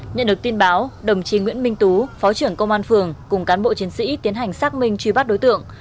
nhận được tin báo đồng chí nguyễn minh tú phó trưởng công an phường cùng cán bộ chiến sĩ tiến hành xác minh truy bắt đối tượng